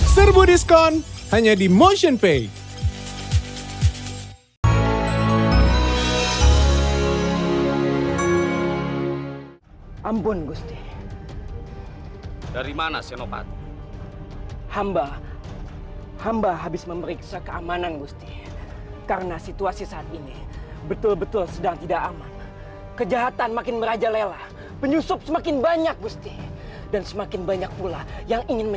serbu diskon hanya di motionpay